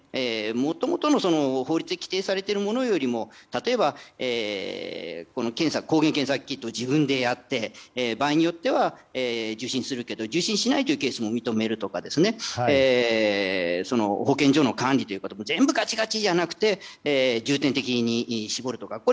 もともとの法律で規定されているものよりも例えば検査を抗原検査キットを自分でやって場合によっては受診するけど受診しないケースも認めるとか保健所の管理とか全部がちがちじゃなくて重点的に絞るとか。